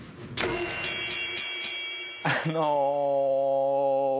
あの。